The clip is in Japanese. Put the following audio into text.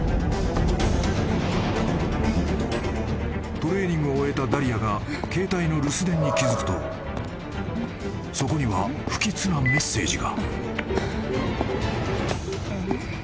［トレーニングを終えたダリアが携帯の留守電に気付くとそこには不吉なメッセージが］